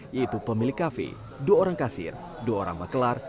yaitu pemilik kafe dua orang kasir dua orang makelar